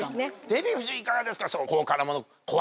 デヴィ夫人いかがですか？